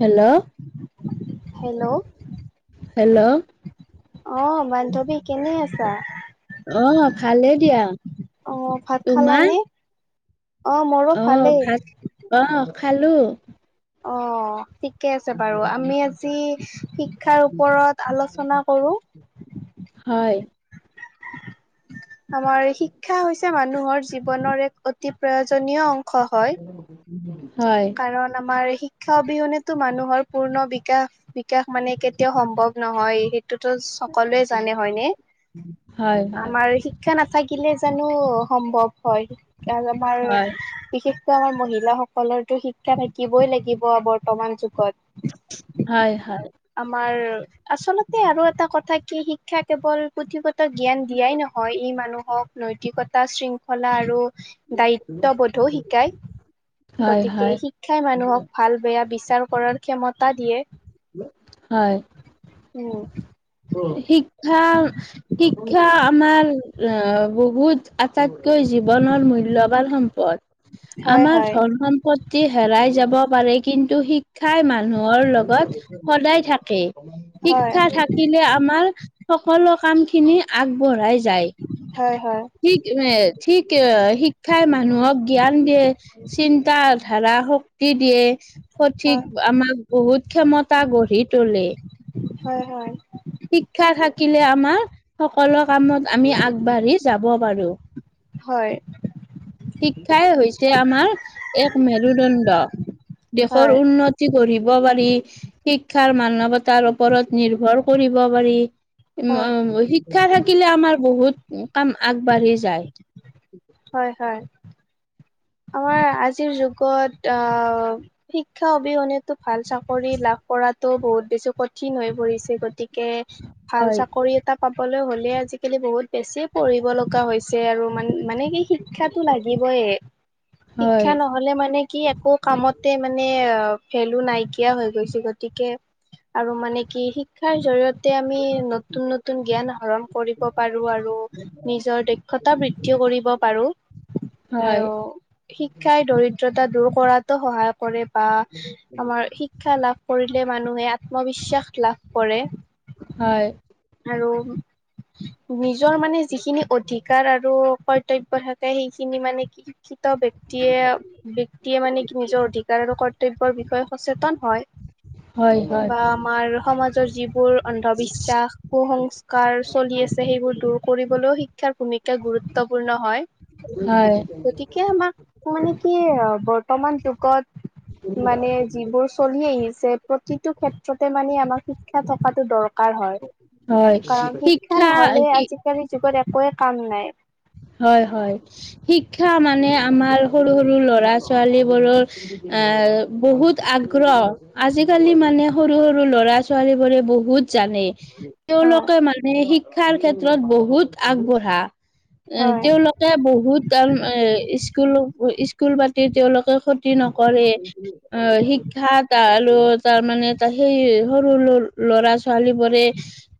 Hello, hello hello? অ'! বান্ধৱী কেনে আছা? অ'! ভালে দিয়া। অ ভাত তোমাৰ? খালানে? অ মোৰো অ'! ভালেই। ভা অ'! খালোঁ। অ'! ঠিকে আছে বাৰু আমি আজি শিক্ষাৰ ওপৰত আলোচনা কৰো। হয়। আমাৰ শিক্ষা হৈছে মানুহৰ জীৱনৰ এক অতি প্ৰয়োজনীয়। হয়। হয়। কাৰণ আমাৰ শিক্ষা অবিহনেতো মানুহৰ পূৰ্ণ বিকাশ বিকাশ মানে কেতিয়াও সম্ভৱ- নহয়। সেইটোতো সকলোৱে জানে হয়নে? হয় হয় আমাৰ শী- ক্ষা নাথাকিলে জানো সম্ভৱ হয়? কাৰণ আমাৰ হয় বিশেষ- মহিলা সকলৰতো শিক্ষা থাকিবই লাগিব বৰ্তমান যুগত। হয় হয়। আমাৰ আচলতে আৰু এটা কথা কি শিক্ষা কেৱল- পুথিগত জ্ঞান দিয়াই নহয় ই মানুহক নৈতিকতা, শৃংখলা আৰু- দায়িত্ববোধো শিকায়। হয় গতি- হয় শিক্ষা মানুহক ভাল বেয়া বিচাৰ কৰাৰ ক্ষমতা দিয়ে। হয়। উম। শিক্ষা শিক্ষা আমাৰ অ বহুত- আটাইতকৈ জীৱনৰ মূল্যবান সম্পদ। হয় আমাৰ হয় ধন সম- পত্তি হেৰাই পাৰে কিন্তু শি- ক্ষাই মানুহৰ লগত সদায় থাকে। হয় শিক্ষা থাক- কিলে আমাৰ সকলো কাম খিনি আগবঢ়াই যায়। হয় হয়। ঠিক এ ঠিক এ শিক্ষাই মানুহক জ্ঞান দিয়ে। চিন্তা ধাৰা শক্তি দিয়ে সঠিক হয় আমাক- বহুত ক্ষমতা গঢ়ি তোলে। হয় হয়। শিক্ষা থাকিলে আমাৰ সকলো কামত আমি আগবাঢ়ি যাব পাৰো। হয়। শিক্ষাই হৈছে আমাৰ এক মেৰুদণ্ড। দেশৰ হয় উন্নতি গঢ়িব পাৰি শিক্ষাৰ মানৱতাৰ ওপ- ৰত নিৰ্ভৰ কৰিব পাৰি, হয় ওম শি- ক্ষা থাকিলে আমাৰ বহুত কাম আগবাঢ়ি যায়। হয় হয়। আমাৰ আজিৰ যুগত আহ শিক্ষা অবিহনে- টো ভাল চাকৰি লাভ কৰাটো বহুত বেছি কঠিন হৈ পৰিছে গতিকে- কে ভাল হয় চাকৰি- টা পাবলৈ হলে আজিকালি বহুত বেছি পঢ়িব লগা হৈছে আৰু মা মানে কি শি- ক্ষা তো লাগিবয়ে। শিক্ষা হয় ন- হলে মানে কি একো কামতে মানে ভেলু নাইকিয়া হৈ গৈছে, গতিকে- আৰু মানে কি শিক্ষাৰ জৰিয়ত- তে আমি নতুন নতুন জ্ঞান আহৰণ কৰিব পাৰো আৰু নিজৰ দক্ষত- তা বৃদ্ধিও কৰিব পাৰো। হয় আৰু- শিক্ষাই দৰিদ্ৰতা দূৰ কৰাতো সহায় কৰে বা আমাৰ শিক্ষা লাভ- কৰিলে মানুহে আত্মবিশ্বাস লাভ কৰে। হয় আৰু নিজৰ মানে যিখিনি অধিকাৰ আৰু- কৰ্তব্যৰ থাকে সেইখিনি মানে শিকিত ব- ব্যক্তিয়ে, ব্যক্তিয়ে মানে কি নিজৰ অধিকাৰ আৰু কৰ্তব্যৰ বিষয়ে সচেতন হয়। হয়, হয়। বা আমাৰ সমাজৰ যিবোৰ অন্ধবিশ্বাস, কুসংস্কাৰ চলি আছে সেইবোৰ দূৰ কৰিবলৈ শি- শিক্ষাৰ ভূমিকা গুৰুত্বপূৰ্ণ হয়। হয়। গতিকে আমাক মানে কি বৰ্তমান যুগত মানে যিবোৰ- চলি আহিছে প্ৰতিটো ক্ষেত্ৰতে মানে আমাক শিক্ষা থকাতটো দৰকাৰ হয়। হয় কাৰণ শিক্ষা নহলে শি- আজিকালি যুগত একোৱে কাম নাই। হয়, হয়। শিক্ষা মানে আমাৰ সৰু সৰু লৰা ছোৱালী বোৰৰ- আ বহুত আগ্ৰহ। আজিকালি মানে সৰু সৰু ল'ৰা ছোৱালী বোৰে বহুত জানে। হয়, তেওঁলোকে মানে শিক্ষাৰ ক্ষেত্ৰত বহুত আগবঢ়া। এ হয়, তেওঁলোকে বহুত এ স্কুল স্কুল পাতি তেওঁলোকে- ক্ষতি নকৰে। অঁ, শিক্ষা তাৰ আৰু তাৰ মানে ত সেই সৰু সৰু- ল'ৰা ছোৱালী বোৰে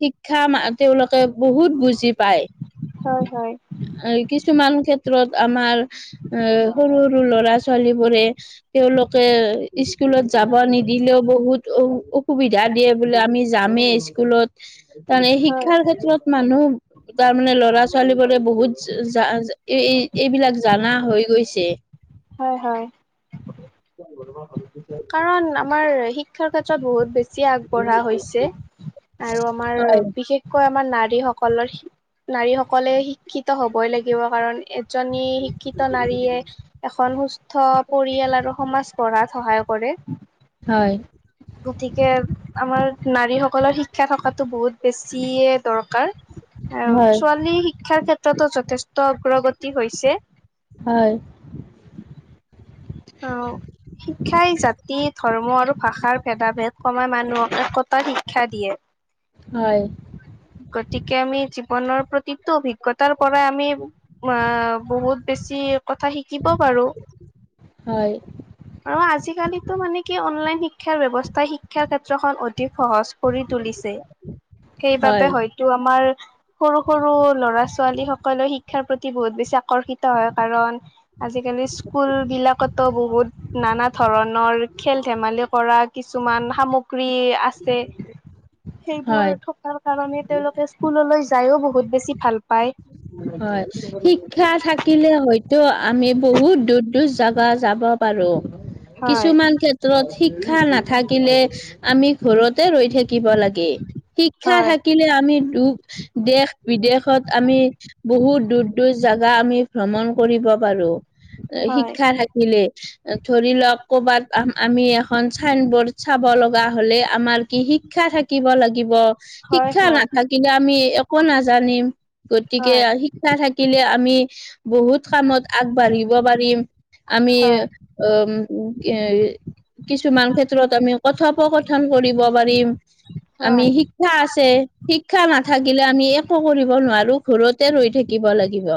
শিক্ষা তেওঁলোকে বহুত বুজি পায়। হয়, হয়। কিছুমান ক্ষেত্ৰত আমাৰ এ সৰু সৰু ল'ৰা ছোৱালী বোৰে- তেওঁলোকে স্কুলত যাব নিদিলেও বহুত অ অসুবিধা দিয়ে বোলে। আমি- যামে স্কুলত। মানে হয়, শিক্ষাৰ ক্ষেত্ৰত মানুহ তাৰ মানে ল'ৰা -ছোৱালীবোৰ- বহুত জা-জা এই এইবিলাক জানা হৈ গৈছে। হয়, হয়। [unintelligible] কাৰণ আমাৰ শিক্ষাৰ ক্ষেত্ৰত বহুত বেছি আগ- বঢ়া হৈছে আৰু আমাৰ হয়, বিশেষ- কৈ আমাৰ নাৰীসকলৰ, নাৰী সকলে শিক্ষিত হ'বই লাগিব। কাৰণ- এজনী শিক্ষিত নাৰীয়ে এখন সুস্থ পৰিয়াল আৰু সমাজ গঢ়াত- সহায় কৰে। হয়। গতিকে আমাৰ নাৰীসকলৰ শিক্ষা থকাটো বহুত বেছিয়ে দৰকাৰ। আৰু হয়, ছোৱালী শিক্ষাৰ ক্ষেত্ৰতো যথেষ্ট অগ্ৰগতি হৈছে। হয়। অঁ। শিক্ষাই জাতি, ধৰ্ম আৰু ভাষাৰ ভেদা- ভেদ কমাই মানুহক একতাৰ শিক্ষা দিয়ে। [inaudible] হয়। গতিকে আমি জীৱনৰ প্ৰতিটো অভিজ্ঞতাৰ পৰাই আমি- আ বহুত বেছি কথা শিকিব পাৰোঁ। হয়। আৰু আজিকালিতো মানে কি অনলাইন শিক্ষাৰ, ব্যৱস্থা শিক্ষাৰ ক্ষেত্ৰখন অধিক- অতি সহজ কৰি তুলিছে। সেইবাবে হয়, হয়তো আমাৰ- সৰু সৰু ল'ৰা- ছোৱালী সকলেও শিক্ষাৰ প্ৰতি বহুত বেছি আকৰ্ষিত হয়। কাৰণ- আজিকালি স্কুল বিলাক- ত' বহুত নানা ধৰণৰ খেল ধেমালি কৰা কিছুমান সামগ্ৰী আ- আছে। হয়, সেইবোৰ থকা- সেইকাৰণে তেওঁলোকে স্কুললৈ যাইও বহুত বেছি ভাল পাই। হয় শিক্ষা থাকিলে হয়তো আমি বহুত দূৰ দূৰ যা যাব পাৰোঁ। হয় কিছুমান ক্ষেত্ৰত শিক্ষা নাথাকিলে আমি ঘৰতে ৰৈ থাকিব লাগে। শিক্ষা হয় থাকিলে আমি দুখ দেশ বিদেশত আমি বহুত দূৰ দূৰ জাগা আমি ভ্ৰমণ কৰিব পাৰোঁ। হয় শিক্ষা থাক কিলে ধৰি লওঁক কৰ'বাত আমি এখন চাইন বৰ্ড চাব লগা হলে আমাৰ কি শিক্ষা থাকিব লাগিব। হয় শিক্ষা হয় নাথাক কিলে আমি একো নাজানিম। গতিকে হয় শিক্ষা থাকিলে আমি বহুত কামত আগবাঢ়িব পাৰিম। আমি হয় অ উম কি কিছুমান ক্ষেত্ৰত আমি কথোপকথন কৰিব পাৰিম। আমি হয় শিক্ষা আছে শিক্ষা নাথাকিলে আমি একো কৰিব নোৱাৰো। ঘৰতে ৰৈ থাকিব লাগিব।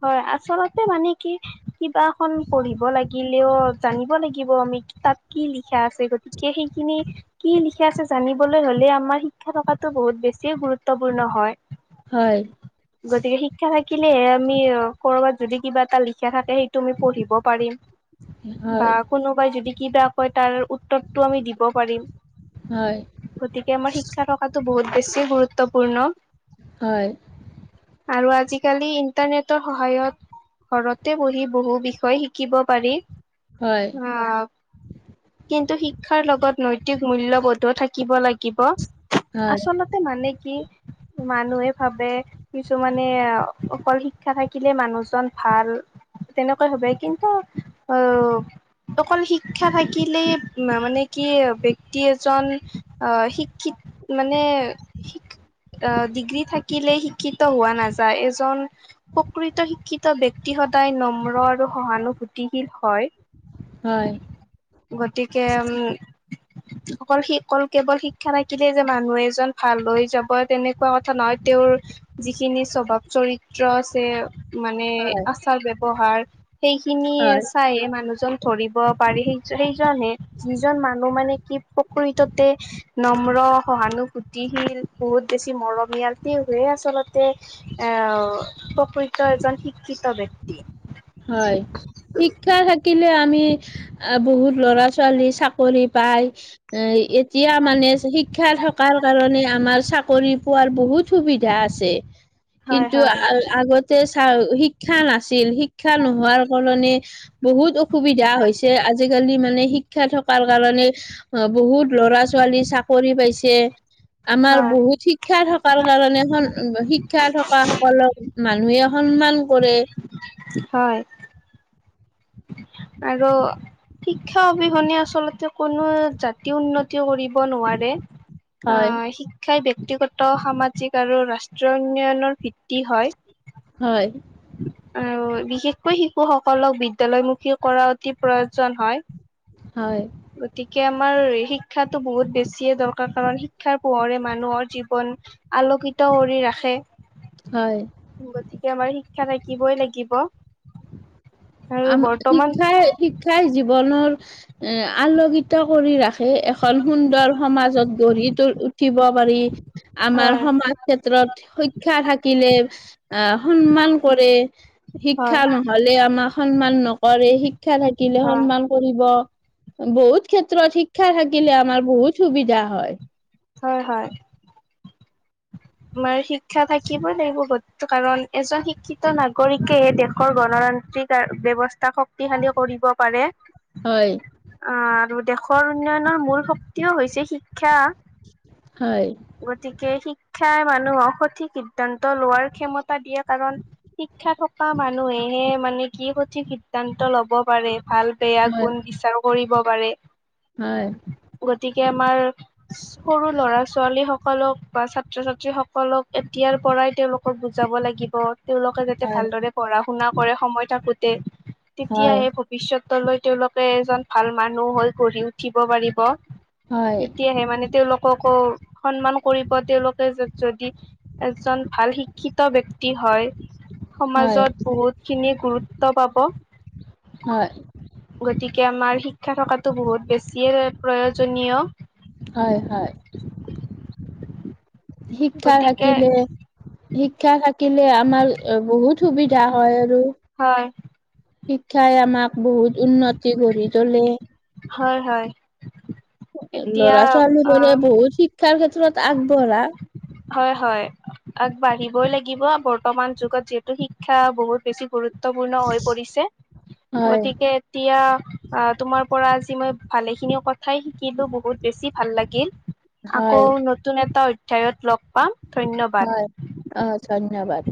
হয় আচলতে মানে কি? কিবা এখন পঢ়িব লাগিলেও জানিব লাগিব আমি তাত কি লিখা আছে। গতিকে সেইখিনি কি লিখা আছে জানিবলৈ হ'লে আমাৰ শিক্ষা থকাটো বহুত বেছিয়ে গুৰুত্বপূৰ্ণ হয়। হয়। গতিকে শিক্ষা থাকিলেহে আমি কৰবাত যদি কিবা এটা লিখা থাকে সেইটো আমি পঢ়িব পাৰিম। বা হয় কোনোবাই যদি কিবা কয় তাৰ উত্তৰটো আমি দিব পাৰিম। হয়। গতিকে আমাৰ শিক্ষা থকাটো বহুত বেছি গুৰুত্বপূৰ্ণ। হয়। আৰু আজিকালি ইণ্টাৰনেটৰ সহায়ত। ঘৰতে বহি বহু বিষয় শিকিব পাৰি। হয়। অ কিন্তু শিক্ষাৰ লগত নৈতিক মূল্যবোধো থাকিব লাগিব। হয়, আচলতে মানে কি মানুহে ভাবে কিছুমানে অকল শিক্ষা থাকিলে মানুহজন ভাল তেনেকুৱা ভাবে। কিন্তু অ অকল শিক্ষা থাকিলেই মানে কি ব্যক্তি এজন আহ শিক্ষিত মানে ডিগ্ৰী থাকিলে শিক্ষিত হোৱা নাযায়। এজন প্ৰকৃত শিক্ষিত ব্যক্তি সদায় নম্ৰ আৰু সহানুভূতিশীল হয়। হয়। গতিকে উম। অকল শি অকল কেৱল শিক্ষা নাাকিলে যে মানুহ এজন ভাল হৈ যাব তেনেক কোৱা কথা নহয় তেওঁৰ যিখিনি স্বভাৱ চৰিত্ৰ আছে মানে হয়, আচাৰ ব্যৱহাৰ সেইখিনিয়ে হয়, চাই মানুহজন ধৰিব পাৰি। সেইজন [unintelligible] যিজন মানুহ মানে কি প্ৰকৃততে নম্ৰ সহানুভূতিশীল বহুত বেছি মৰমীয়াল সেইবোৰ আচলতে প্ৰকৃত এজন শিক্ষিত ব্যক্তি। হয়, শিক্ষা থাকিলে আমি আহ বহুত ল'ৰা ছোৱালী চাকৰি পায়- এ এতিয়া মানে শিক্ষা থকাৰ কাৰণে আমাৰ চাকৰি পোৱাৰ বহুত- সুবিধা আছে হয় কিন্তু হয় আগতে চা শিক্ষা নাছিল শি- শিক্ষা নোহোৱাৰ কাৰণি- বহুত অসুবিধা হৈছে আজিকালি মানে শিক্ষা থকাৰ কাৰণে- অঁ বহুত লৰা ছোৱালী চাকৰি পাইছে হয় বহুত শিক- শিক্ষা থকাৰ কাৰণে স শিক্ষা থকা সকলক মানুহে সন্মান কৰে। হয়ঁ। আৰু শিক্ষা অবিহনে আচলতে কোনো জাতি উন্নতি কৰিব নোৱাৰে হয় আহ শি শিক্ষাই ব্যক্তিগত সামাজিক আৰু ৰাষ্ট্ৰীয় উন্নয়নৰ ভিত্তি হয়ঁ। হয়ঁ। আৰু বিশেষকৈ শিশুসকলক বিদ্যয়ালয়মুখী কৰা অতি প্ৰয়োজন হয়ঁ। হয়ঁ। গতিকে আমাৰ শিক্ষাটো বহুত বেছিয়ে দৰকাৰ কাৰণ শিক্ষাৰ পোহৰে মানুহৰ জীৱন- আলোকিত কৰি ৰাখে। হয়ঁ। গতিকে আমাৰ শিক্ষা থাকিবই লাগিব। আৰু আমা বৰ্তমান শিক্ষাই শিক্ষাই জীৱনৰ এ আলোকিত কৰি ৰাখে। সে এখন সুন্দৰ সমাজত গঢ়ি উঠিব পাৰি। আমাৰ হয় সমাজ ক্ষেত্ৰত শিক্ষা থাকিলে আহ সন্মান কৰে। হয় শিক্ষা নহলে আমাৰ সন্মান নকৰে শিক্ষা থাকিলে হয় সন্মান কৰিব বহুত ক্ষেত্ৰত শিক্ষা- শিক্ষা থাকিলে আমাৰ বহুত সুবিধা হয়ঁ। হয়ঁ হয়ঁ। তোমাৰ শিক্ষা থাকিবই লাগিব গ- কাৰণ এজন শিক্ষিত নাগৰিকে দেশৰ গণতান্ত্ৰিক আৰু ব্যবস্থা সক- শক্তিশালী কৰিব পাৰে। হঁয়৷ অঁ আৰু দেশৰ উন্নয়নৰ মূল শক্তিও হৈছে শিক্ষা- হয়ঁ৷ গতিকে শিক্ষাই মানুহক সঠিক সিদ্ধান্ত লোৱাৰ ক্ষমতা দিয়ে কাৰণ- শিক্ষা থকা মানুহেহে মানে কি সঠিক সিদ্ধান্ত ল'ব পাৰে৷ ভাল-বেয়া গুণ বিচাৰ কৰিব পাৰে৷ হঁয়৷ গতিকে আমাৰ সৰু ল'ৰা-ছো- ছোৱালীসকলক বা ছাত্ৰ-ছাত্ৰীসকলক এতিয়াৰ পৰাই তেওঁলোকক বুজাব লাগিব৷ তেওঁলোকে যাতে ভালদৰে পঢ়া শুনা কৰে সময় থাকোঁতে, তেতিয়াহে- বিশ্বত গৈ লৈ তেওঁলোকে এজন ভাল মানুহ হৈ গঢ় উঠিব পাৰিব৷ তেতিয়াহে মানে তেওঁলোককো সন্মান কৰিব, তেওঁলোকে যদ যদি - এজন ভাল শিক্ষিত ব্যক্তি হঁয়৷ সমাজত বহুত খিনি গুৰুত্ব পাব৷ হয়ঁ৷ গতিকে আমাৰ শিক্ষা থকাটো বহুত বেছিয়ে প্ৰয়োজনীয়৷ হয়ঁ, হঁয়৷ শিক্ষা গতিকে থাকিলে শিক্ষা থাকিলে আমাৰ বহুত সুবিধা হয় আৰু। হয়৷ শিক্ষাই আমাক বহুত উন্নতি গঢ়ি তোলে৷ হয়, হয়৷ এতিয়া ল'ৰা অ ছোৱালীবোৰে বহুত শিক্ষাৰ ক্ষেত্ৰত আগবঢ়া৷ হয়, হয়৷ আগবাঢ়িবই লাগিব, বৰ্তমান যুগত যিহেতু শিক্ষা বহুত বেছি গুৰুত্বপূৰ্ণ হৈ পৰিছে, হয়, গতিকে এতিয়া আ, তোমাৰ পৰা আজি মই ভালেখিনি কথাই শিকিলোঁ, বহুত বেছি ভাল লাগিল৷ আকৌ হয়, নতুন এটা অধ্যায়ত লগ পাম, ধন্যবাদ৷ হয়। অ', ধন্যবাদ৷